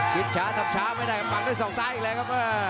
ช้าทำช้าไม่ได้ครับปักด้วยศอกซ้ายอีกแล้วครับ